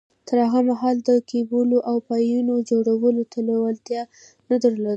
تر هغه مهاله ده د کېبلو او پايپونو جوړولو ته لېوالتيا نه درلوده.